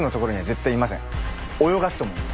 泳がすと思うんで。